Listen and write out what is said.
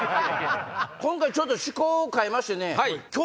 今回ちょっと趣向を変えましてね。